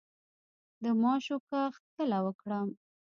د ماشو کښت کله وکړم؟